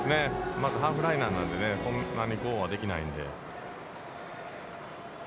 まずハーフライナーなのでね、そんなにゴーはできないんで。